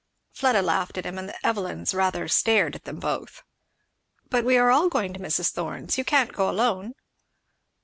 Fleda laughed at him, and the Evelyns rather stared at them both. "But we are all going to Mrs. Thorn's? you can't go alone?"